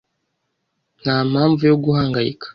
Nta mpamvu yo guhangayika.